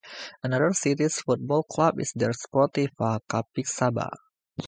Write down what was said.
Another city's football club is Desportiva Capixaba.